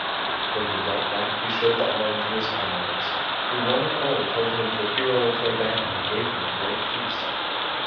When he got back, he showed the arm to his comrades, who one and all called him the hero of their band and gave him a great feast.